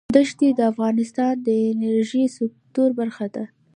دښتې د افغانستان د انرژۍ سکتور برخه ده.